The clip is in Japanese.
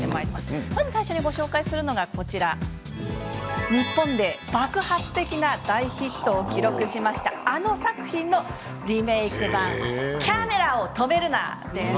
最初にご紹介するのは、日本で爆発的な大ヒットを記録しましたあの作品のリメーク版です。